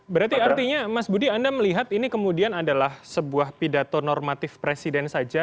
berarti artinya mas budi anda melihat ini kemudian adalah sebuah pidato normatif presiden saja